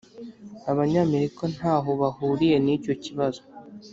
abanyamerika ntaho bahuriye nicyo kibazo.